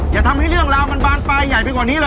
อย่าทำให้เรื่องราวมันบานปลายใหญ่ไปกว่านี้เลย